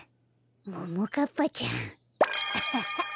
ももかっぱちゃんアハハ。